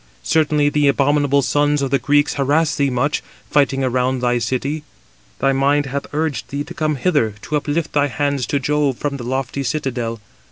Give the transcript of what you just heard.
Certainly the abominable sons of the Greeks harass thee much, fighting around thy city: thy mind hath urged thee to come hither, to uplift thy hands to Jove from the lofty citadel.